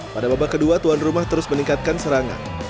pada babak kedua tuan rumah terus meningkatkan serangan